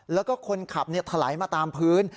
แล้วก็คนขับถลายมาตามพื้น